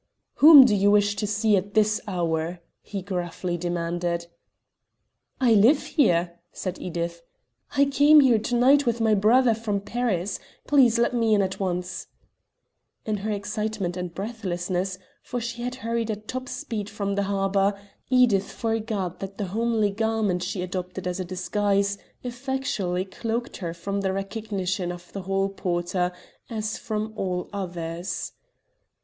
"Whom do you wish to see at this hour?" he gruffly demanded. "I live here," said Edith. "I came here to night with my brother from Paris. Please let me in at once." In her excitement and breathlessness, for she had hurried at top speed from the harbour, Edith forgot that the homely garment she adopted as a disguise effectually cloaked her from the recognition of the hall porter as from all others.